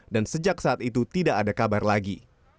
dan sejak saat itu tidak ada kabar lagi